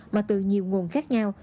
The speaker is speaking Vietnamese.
mà từ nhiều nguồn khác nhau